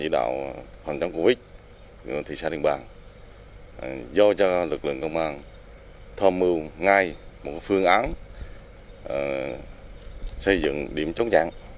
do cho lực lượng công an thông mưu ngay một phương án xây dựng điểm chốt chặn